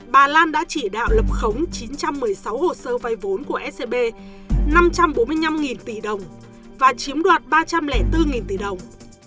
bà lan đã chỉ đạo lập khống chín trăm một mươi sáu hồ sơ vay vốn của scb năm trăm bốn mươi năm tỷ đồng và chiếm đoạt ba trăm linh bốn tỷ đồng